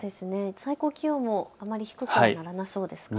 最高気温もあまり低くはなさそうですね。